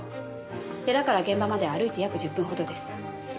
寺から現場まで歩いて約１０分ほどです。